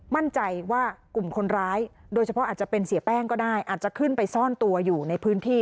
มั่นใจว่ากลุ่มคนร้ายโดยเฉพาะอาจจะเป็นเสียแป้งก็ได้อาจจะขึ้นไปซ่อนตัวอยู่ในพื้นที่